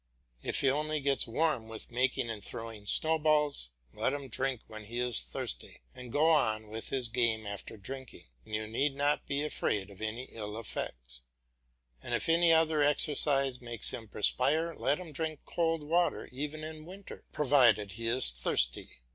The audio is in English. If he only gets warm with making and throwing snowballs, let him drink when he is thirsty, and go on with his game after drinking, and you need not be afraid of any ill effects. And if any other exercise makes him perspire let him drink cold water even in winter provided he is thirsty.